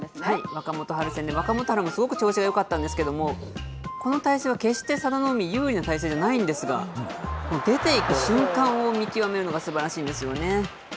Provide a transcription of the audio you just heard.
若元春戦で、若元春もすごく調子がよかったんですけれども、この体勢は決して佐田の海、有利な体勢じゃないんですが、出ていく瞬間を見極めるのがすばらしいんですよね。